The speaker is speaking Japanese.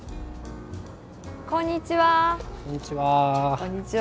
こんにちは。